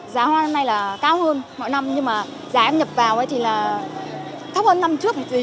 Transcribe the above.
giá hoa năm nay là cao hơn mỗi năm nhưng mà giá em nhập vào thì là thấp hơn năm trước một tí